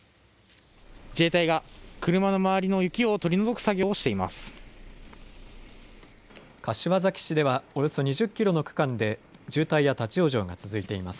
自衛隊が車のまわりの雪を取り除く作業をしています。